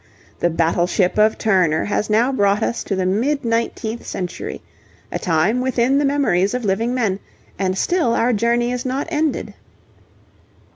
The battleship of Turner has now brought us to the mid nineteenth century, a time within the memories of living men, and still our journey is not ended.